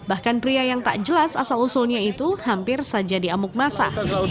bahkan pria yang tak jelas asal usulnya itu hampir saja diamuk masa